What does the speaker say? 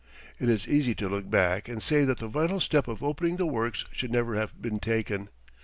It is easy to look back and say that the vital step of opening the works should never have been taken.